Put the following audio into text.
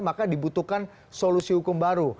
maka dibutuhkan solusi hukum baru